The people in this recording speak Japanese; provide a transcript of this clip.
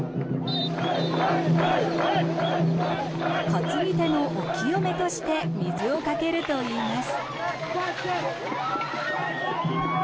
担ぎ手のお清めとして水をかけるといいます。